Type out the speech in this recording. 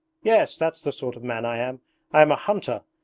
'Yes, that's the sort of man I am. I am a hunter.